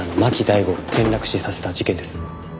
大吾を転落死させた事件です。